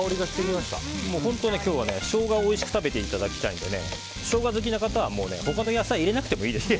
今日はショウガをおいしく食べていただきたいのでショウガ好きな方は他の野菜を入れなくてもいいですね。